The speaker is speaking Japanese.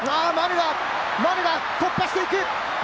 マヌが突破していく！